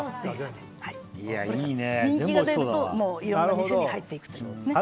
人気が出るといろんな店に入っていくと。